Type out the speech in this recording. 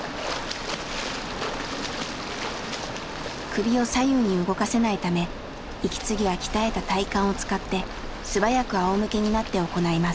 首を左右に動かせないため息継ぎは鍛えた体幹を使って素早くあおむけになって行います。